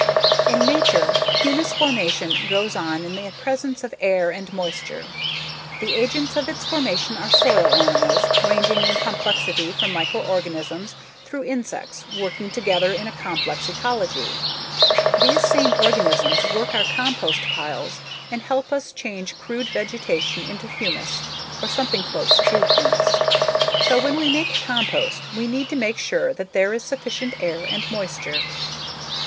In nature, humus formation goes on in the presence of air and moisture. The agents of its formation are soil animals ranging in complexity from microorganisms through insects working together in a complex ecology. These same organisms work our compost piles and help us change crude vegetation into humus or something close to humus. So, when we make compost we need to make sure that there is sufficient air and moisture.